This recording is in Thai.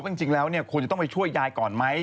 จริงแล้วควรจะต้องไปช่วยยายก่อนไหม